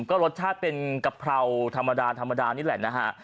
ก็รสชาติเป็นกะเพราธรรมดาธรรมดานี่แหละนะฮะ